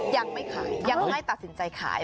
ยังไม่ขายยังไม่ตัดสินใจขาย